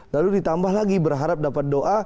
lalu ditambah lagi berharap dapat doa